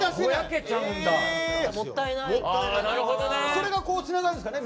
それがこうつながるんですかね